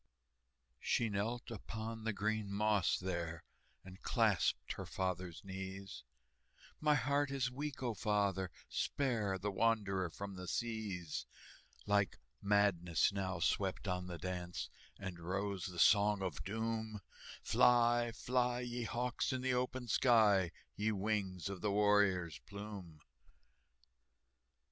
She knelt upon the green moss there, And clasped her father's knees: "My heart is weak, O father, spare The wanderer from the seas!" Like madness now swept on the dance, And rose the Song of Doom, "Fly, fly, ye hawks, in the open sky, Ye wings of the warrior's plume!"